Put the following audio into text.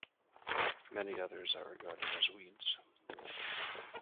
Many others are regarded as weeds.